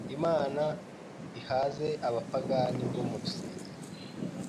Imana ihaze abapagani bo murusengero,